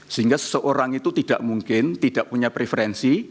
sehingga seseorang itu tidak mungkin tidak punya preferensi